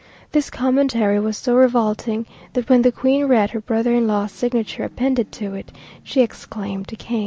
This commentary was so revolting that when the Queen read her brother in law's signature appended to it, she exclaimed "Cain."